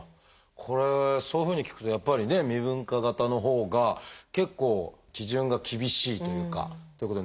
これそういうふうに聞くとやっぱりね未分化型のほうが結構基準が厳しいというかということになるってことですね先生。